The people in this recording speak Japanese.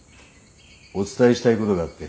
お伝えしたいことがあって。